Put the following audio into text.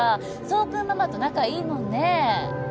爽君ママと仲いいもんね。